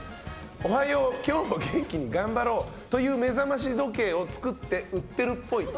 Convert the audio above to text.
「おはよう。今日も元気に頑張ろう。」というめざまし時計を作って売ってるっぽい。